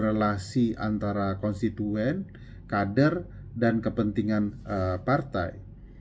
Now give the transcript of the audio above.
relasi antara konstituen kader dan kepentingan partai